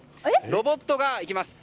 ロボットが行きます。